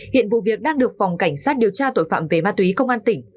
hiện vụ việc đang được phòng cảnh sát điều tra tội phạm về ma túy công an tỉnh